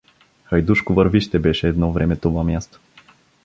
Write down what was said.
Хайдушко вървище беше едно време това място.